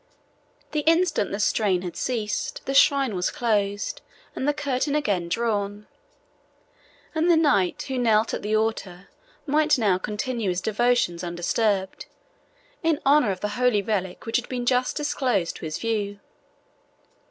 The instant the strain had ceased, the shrine was closed, and the curtain again drawn, and the knight who knelt at the altar might now continue his devotions undisturbed, in honour of the holy relic which had been just disclosed to his view.